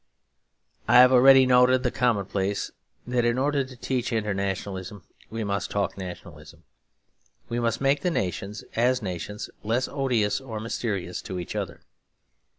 I have already noted the commonplace that in order to teach internationalism we must talk nationalism. We must make the nations as nations less odious or mysterious to each other.